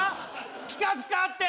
ピカピカッて！